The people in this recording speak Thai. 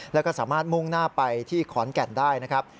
แล้วก็สามารถมุ่งหน้าไปที่ขอนแก่นได้นะครับ